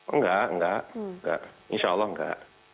enggak enggak insya allah enggak